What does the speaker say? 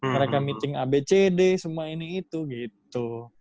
mereka meeting abcd semua ini itu gitu